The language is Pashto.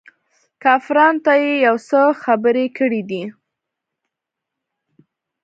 کافرانو ته يې يو څو خبرې کړي دي.